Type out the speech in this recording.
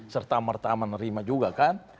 serta mertama nerima juga kan